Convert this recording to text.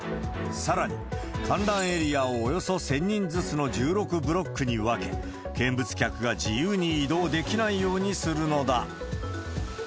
さらに、観覧エリアをおよそ１０００人ずつの１６ブロックに分け、見物客が自由に移動できないようにするのだ。